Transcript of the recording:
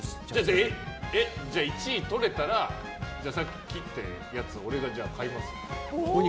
じゃあ１位取れたらさっき切ったやつを俺が買いますよ。